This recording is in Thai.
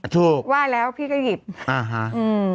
ถูกว่าแล้วพี่ก็หยิบอ่าฮะอืม